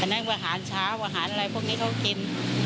วะหารเช้าวะหารอะไรวะหารพวกนี้เขากิน